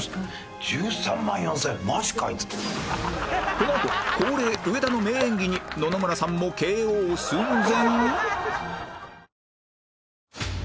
このあと恒例上田の名演技に野々村さんも ＫＯ 寸前？